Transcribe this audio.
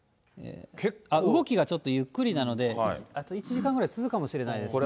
動きがちょっとゆっくりなので、あと１時間ぐらい続くかもしれないですね。